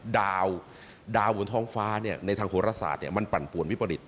ดาวบนท้องฟ้าในทางโหรศาสตร์มันปั่นป่วนวิปริต